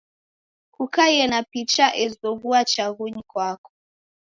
Kukaie na picha ezoghua chaghunyi kwako.